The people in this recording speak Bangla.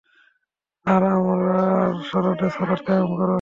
আর আমার স্মরণে সালাত কায়েম কর।